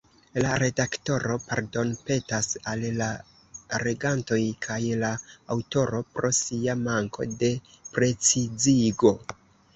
La redaktoro pardonpetas al la legantoj kaj la aŭtoro pro sia manko de precizigo.